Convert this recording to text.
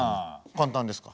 簡単ですか？